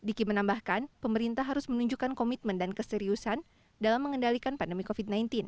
diki menambahkan pemerintah harus menunjukkan komitmen dan keseriusan dalam mengendalikan pandemi covid sembilan belas